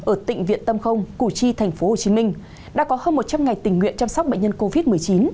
ở tịnh viện tâm không củ chi tp hcm đã có hơn một trăm linh ngày tình nguyện chăm sóc bệnh nhân covid một mươi chín